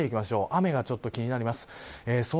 雨がちょっと気になります。